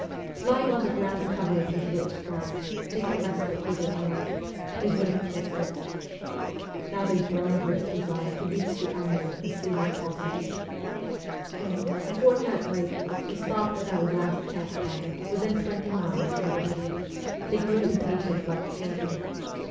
Lying on the ground covered with rich grass, they caressed it with their eyes they would have kissed it. Now they burned with the desire to reach the Amur as soon as possible. When, a fortnight later, we stopped at our last camp fire within twenty miles from the river, they grew impatient like children.